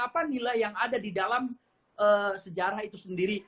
apa nilai yang ada di dalam sejarah itu sendiri